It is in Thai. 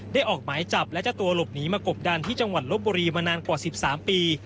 ได้ออกหมายจับและจะตัวหลบหนีมากบดันที่จังหวันลบบรีมานานกว่าสิบสามปี